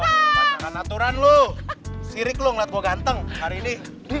panjangkan aturan lu sirik lu ngeliat gua ganteng hari ini